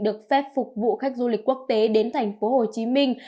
được phép phục vụ khách du lịch quốc tế đến thành phố hồ chí minh